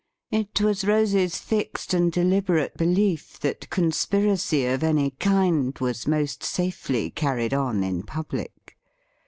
It was Rose's fixed and deliberate belief that conspiracy of any kind was most safely carried on in public.